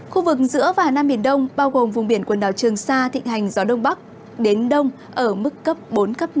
khu vực giữa và nam biển đông bao gồm vùng biển quần đảo trường sa thịnh hành gió đông bắc đến đông ở mức cấp bốn cấp năm